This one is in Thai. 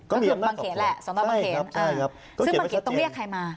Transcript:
ก็คือบางเขนแหละสอนอบางเขนใช่ครับใช่ครับซึ่งบางเขนต้องเรียกใครมา